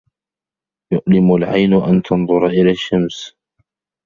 يُؤْلِمُ الْعَيْنُ أَنَّ تَنْظُرَ إِلَى الشَّمْسِ.